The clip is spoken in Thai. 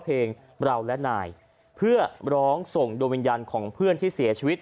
เพลงเราและนายเพื่อร้องส่งดวงวิญญาณของเพื่อนที่เสียชีวิต